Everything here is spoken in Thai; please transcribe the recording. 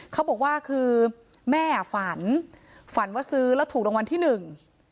เขาบอกว่าคือแม่อ่ะฝันฝันว่าซื้อแล้วถูกรางวัลที่หนึ่ง